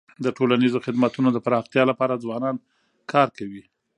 د ټولنیزو خدمتونو د پراختیا لپاره ځوانان کار کوي.